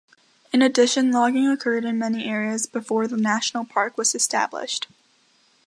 In addition logging occurred in many areas before the national park was established.